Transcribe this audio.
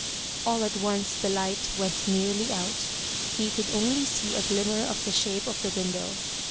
All at once the light went nearly out: he could only see a glimmer of the shape of the window.